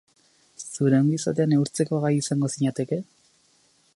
Zure ongizatea neurtzeko gai izango zinateke?